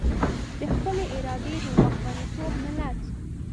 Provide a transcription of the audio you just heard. د خپلې ارادې د واکمنتوب ملت.